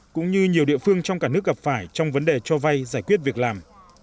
cũng như nhiều địa phương trong cả nước gặp phải trong vấn đề cho vay giải quyết việc làm